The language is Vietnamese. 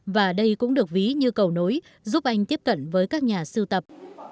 và đây cũng được ví như cầu nối giúp anh tiếp cận với các nhà sưu tập